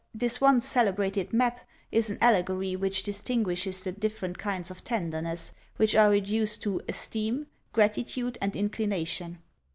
This once celebrated map is an allegory which distinguishes the different kinds of TENDERNESS, which are reduced to Esteem, Gratitude, and Inclination.